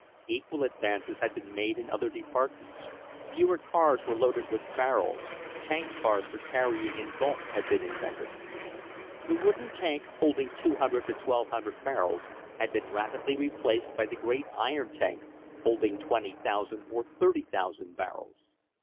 Equal advances had been made in other departments, fewer cars were loaded with barrels, tank cars for carrying in bulk had been invented. The wooden tank holding 200 to 1,200 barrels had been rapidly replaced by the great iron tank holding 20,000 or 30,000 barrels.